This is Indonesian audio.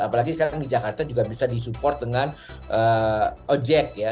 apalagi sekarang di jakarta juga bisa disupport dengan ojek ya